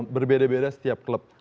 berbeda beda setiap klub